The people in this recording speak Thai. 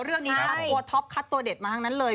เรื่องนี้นะคะตัวท็อปคัดตัวเด็ดมาทั้งนั้นเลย